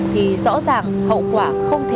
thì rõ ràng hậu quả không thể